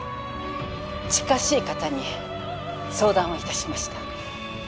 近しい方に相談をいたしました。